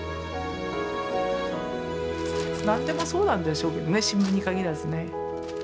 なんでもそうなんでしょうけどね新聞に限らずね。